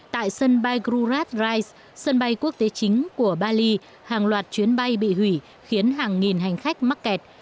tại sân bay grurat drise sân bay quốc tế chính của bali hàng loạt chuyến bay bị hủy khiến hàng nghìn hành khách mắc kẹt